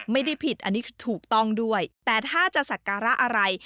ไม่ได้ผิดอันนี้คือถูกต้องด้วยแต่ถ้าจะสักการะอะไร